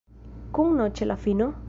Kun n ĉe la fino?